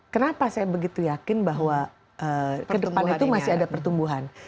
kenapa saya begitu yakin bahwa ke depan itu masih ada pertumbuhan